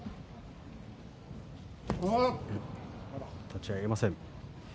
立ち合い、合いません。